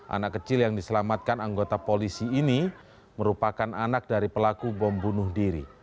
anak kecil yang diselamatkan anggota polisi ini merupakan anak dari pelaku bom bunuh diri